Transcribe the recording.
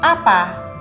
ibu sama bapak becengek